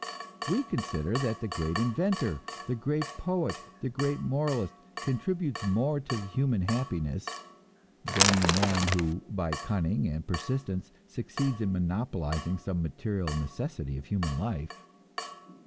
We consider that the great inventor, the great poet, the great moralist, contributes more to human happiness than the man who, by cunning and persistence, succeeds in monopolizing some material necessity of human life.